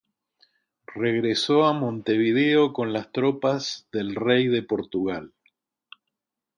Regresó a Montevideo con las tropas del rey de Portugal.